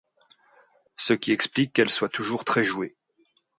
Ce qui explique qu'elle soit toujours très jouée.